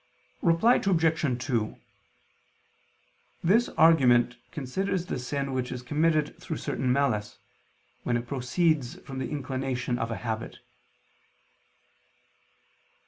Reply Obj. 2: This argument considers the sin which is committed through certain malice, when it proceeds from the inclination of a habit.